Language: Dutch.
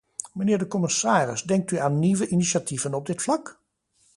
Mijnheer de commissaris, denkt u aan nieuwe initiatieven op dit vlak?